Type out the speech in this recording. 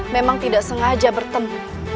memang tidak sengaja bertemu